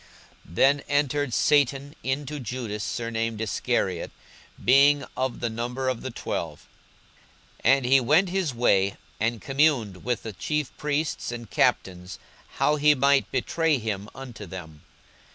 42:022:003 Then entered Satan into Judas surnamed Iscariot, being of the number of the twelve. 42:022:004 And he went his way, and communed with the chief priests and captains, how he might betray him unto them.